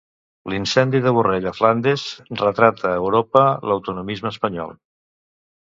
L'incendi de Borrell a Flandes retrata a Europa l'autonomisme espanyol.